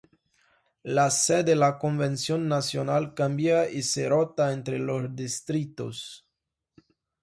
La sede la Convención Nacional cambia y se rota entre los distritos.